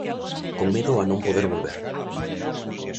Con medo a non poder volver.